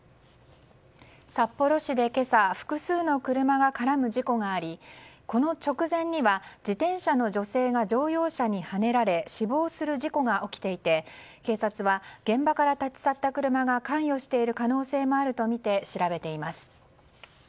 札幌市で今朝複数の車が絡む事故がありこの直前には自転車の女性が乗用車にはねられ死亡する事故が起きていて警察は現場から立ち去った車が関与している可能性もあるとみて調べています。